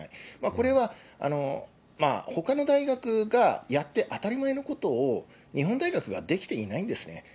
これはほかの大学がやって当たり前のことを、日本大学ができていないんですね。